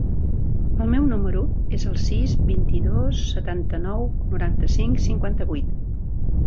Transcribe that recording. El meu número es el sis, vint-i-dos, setanta-nou, noranta-cinc, cinquanta-vuit.